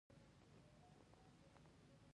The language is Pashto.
پیریان په خوښۍ سر وښوراوه او په بایسکل سپور شو